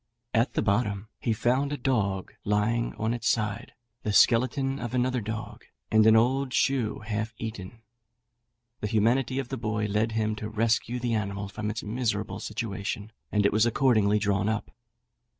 At the bottom he found a dog lying on its side, the skeleton of another dog, and an old shoe half eaten. The humanity of the boy led him to rescue the animal from its miserable situation, and it was accordingly drawn up.